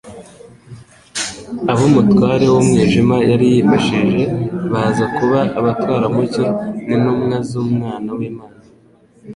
Ab'umutware w'umwijima, yari yifashije baza kuba abatwaramucyo n'intumwa z'Umwana w'Imana.